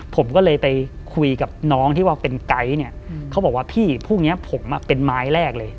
ผมก็เลยไปคุยกับน้องที่ว่าเป็นไก๊เนี่ยเขาบอกว่าพี่พวกนี้ผมเป็นไม้แรกเลย